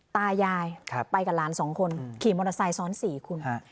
ตายายครับไปกับหลานสองคนอืมขี่มอเตอร์ไซค์ซ้อนสี่คุณครับ